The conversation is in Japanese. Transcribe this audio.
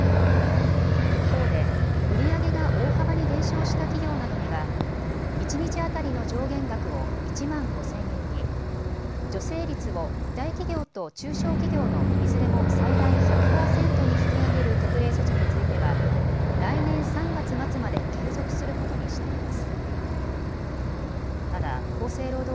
一方で売り上げが大幅に減少した企業などには一日当たりの上限額を１万５０００円に、助成率を大企業と中小企業のいずれも最大１００％に引き上げる特例措置については来年３月末まで継続することにしています。